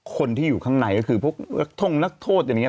คนที่อยู่ข้างในก็คือพวกนักท่องนักโทษอย่างนี้